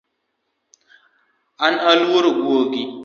An aluoro gwogi